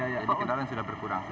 jadi kendaraan sudah berkurang